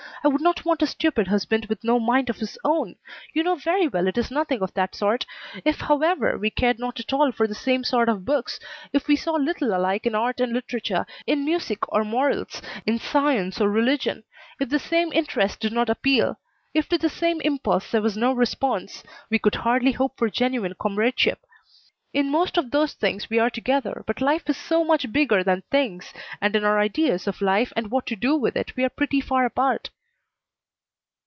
I would not want a stupid husband with no mind of his own! You know very well it is nothing of that sort. If, however, we cared not at all for the same sort of books; if we saw little alike in art and literature, in music or morals, in science or religion; if the same interests did not appeal; if to the same impulse there was no response we could hardly hope for genuine comradeship. In most of those things we are together, but life is so much bigger than things, and in our ideas of life and what to do with it we are pretty far apart."